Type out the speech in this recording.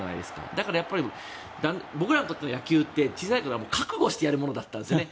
だから、僕らにとっての野球って小さいころは覚悟してやるものだったんですね。